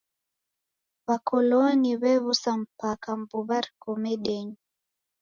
W'akoloni wew'usa mpaka mbuw'a riko medenyi.